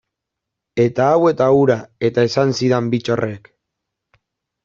Eta hau eta hura, eta esan zidan Bittorrek.